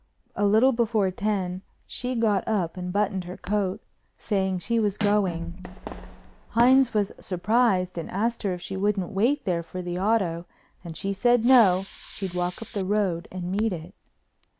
A little before ten she got up and buttoned her coat, saying she was going. Hines was surprised and asked her if she wouldn't wait there for the auto, and she said no, she'd walk up the road and meet it.